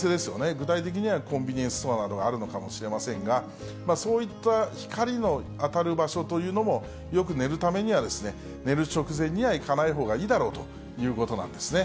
具体的にはコンビニエンスストアなどがあるのかもしれませんが、そういった光の当たる場所というのも、よく寝るためには、寝る直前には行かないほうがいいだろうということなんですね。